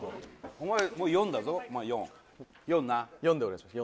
お前もう４だぞ４４な４でお願いします